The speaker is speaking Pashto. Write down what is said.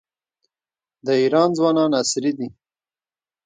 د ایران ځوانان عصري دي.